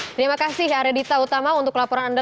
terima kasih aradita utama untuk laporan anda